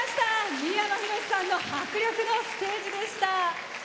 三山ひろしさんの迫力のステージでした。